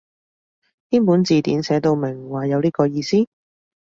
邊本字典寫到明話有呢個意思？